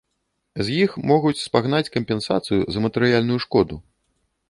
З іх могуць спагнаць кампенсацыю за матэрыяльную шкоду.